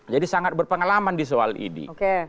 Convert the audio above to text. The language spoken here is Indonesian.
jadi sangat berpengalaman di soal ini